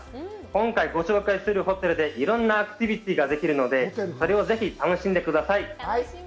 今回、ご紹介するホテルでいろんなアクティビティができるので、それをぜひ楽しんでください。